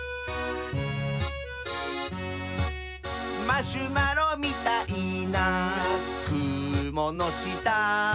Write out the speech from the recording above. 「マシュマロみたいなくものした」